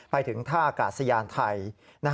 ไปถึงท่าอากาศยานไทย